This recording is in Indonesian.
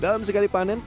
dalam sekali panen